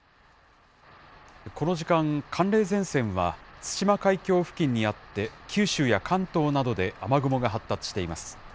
この時間、寒冷前線は対馬海峡付近にあって、九州や関東などで雨雲が発達しています。